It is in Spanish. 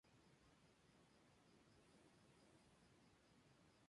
Actualmente se encuentra cegada.